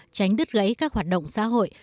tránh đứt gãy các hoạt động xã hội